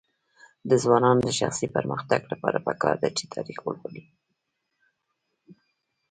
د ځوانانو د شخصي پرمختګ لپاره پکار ده چې تاریخ ولولي.